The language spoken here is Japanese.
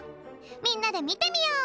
みんなでみてみよう！